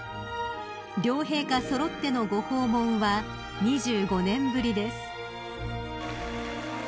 ［両陛下揃ってのご訪問は２５年ぶりです］